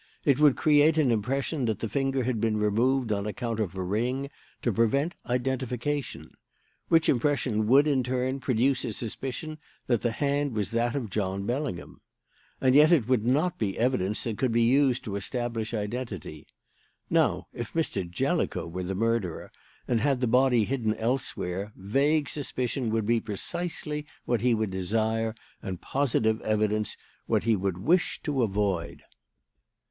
It would create an impression that the finger had been removed on account of a ring, to prevent identification; which impression would, in turn, produce a suspicion that the hand was that of John Bellingham. And yet it would not be evidence that could be used to establish identity. Now, if Mr. Jellicoe were the murderer and had the body hidden elsewhere, vague suspicion would be precisely what he would desire, and positive evidence what he would wish to avoid.